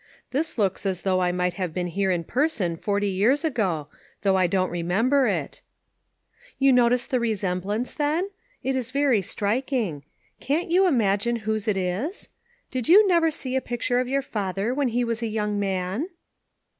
This looks as though I might have been here in person forty years ago, though I don't remember it." " You notice the resemblance, then ? It is very striking. Can't you imagine whose it is? Did you never see a picture of your father when he was a young man